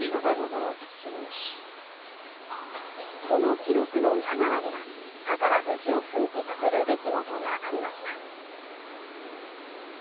この記録の裏側には宝富士を奮起させる出来事がありました。